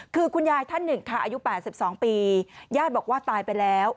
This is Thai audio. คือคุณยายท่านหนึ่งค่ะอายุ๘๒ปีญาติบอกว่าตายไปแล้ว